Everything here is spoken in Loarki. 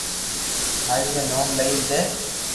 ھري رو نوم لئي جي